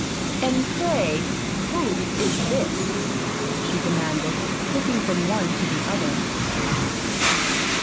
"And, pray, who is this?" she demanded, looking from one to the other.